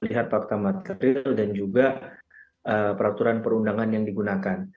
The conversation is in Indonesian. melihat fakta material dan juga peraturan perundangan yang digunakan